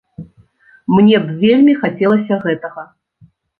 Мне б вельмі хацелася гэтага.